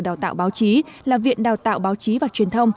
với hai cơ sở đào tạo báo chí là viện đào tạo báo chí và truyền thông